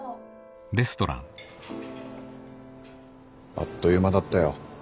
あっと言う間だったよ。